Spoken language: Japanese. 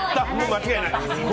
間違いない。